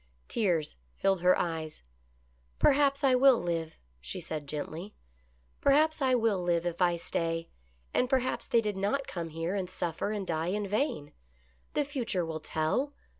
Tears filled her eyes. " Perhaps I will live," she said gently. " Perhaps I will live if I stay, and perhaps they did not come here and suffer and die in vain. The future will tell.